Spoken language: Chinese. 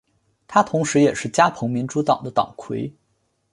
他同时也是加蓬民主党的党魁。